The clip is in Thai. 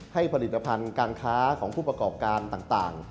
ผลิตภัณฑ์การค้าของผู้ประกอบการต่าง